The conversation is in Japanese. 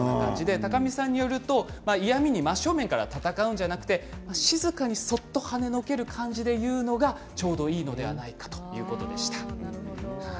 高見さんによると嫌みに真正面から戦うのではなく静かにそっとはねのける感じで言うのがちょうどいいのではないかということでした。